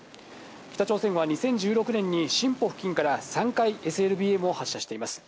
北朝鮮は２０１６年にシンポ付近から３回、ＳＬＢＭを発射しています。